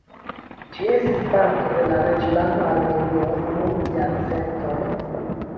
Ĝi estis parto de la Reĝlando Armenio dum jarcentoj.